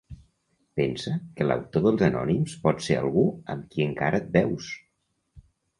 Pensa que l'autor dels anònims pot ser algú amb qui encara et veus.